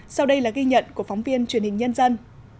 sau đây là ghi nhận của phóng viên truyền hình nhân dân